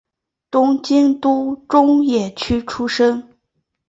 东京都中野区出生。